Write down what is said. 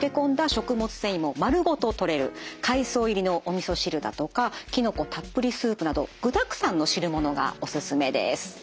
食物繊維も丸ごととれる海藻入りのおみそ汁だとかきのこたっぷりスープなど具だくさんの汁物がおすすめです。